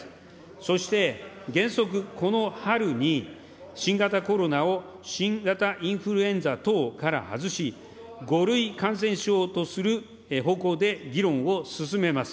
そして原則この春に、新型コロナを新型インフルエンザ等から外し、５類感染症とする方向で議論を進めます。